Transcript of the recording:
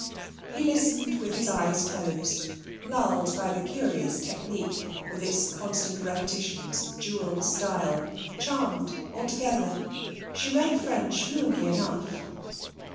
He listened with his eyes closed, lulled by the curious technique, with its constant repetitions and jewelled style, charmed altogether. She read French fluently enough.